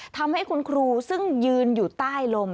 ทำให้คุณครูซึ่งยืนอยู่ใต้ลม